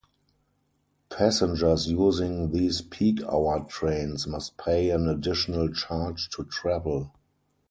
Passengers using these peak-hour trains must pay an additional charge to travel.